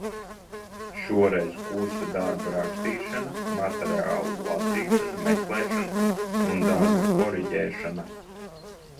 Šoreiz kursa darba rakstīšana, materiālu lasīšana, meklēšana un darba koriģēšana.